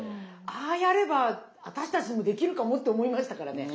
ああやれば私たちでもできるかも？って思いましたからね。